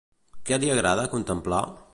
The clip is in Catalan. Què li agrada contemplar?